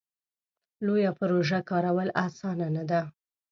لویه پروژه کارول اسانه نه ده.